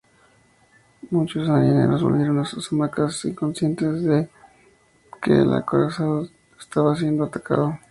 Muchos marineros volvieron a sus hamacas, inconscientes de que el acorazado estaba siendo atacado.